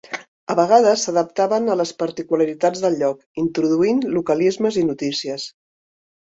A vegades s'adaptaven a les particularitats del lloc, introduint localismes i notícies.